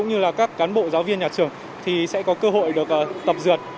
như là các cán bộ giáo viên nhà trường thì sẽ có cơ hội được tập dượt